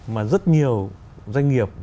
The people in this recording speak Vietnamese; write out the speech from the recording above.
mà rất nhiều doanh nghiệp